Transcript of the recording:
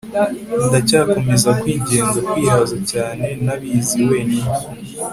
ndacyakomeza kwigenga, kwihaza cyane, ntabizi wenyine